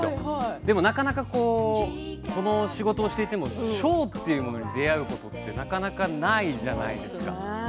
でもこの仕事をしていてもショーに出会うことってなかなかないじゃないですか。